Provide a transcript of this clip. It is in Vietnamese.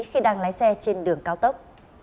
khi đang lái xe trên đường cao tốc